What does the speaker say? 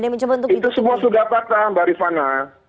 itu semua sudah patah mbak rifana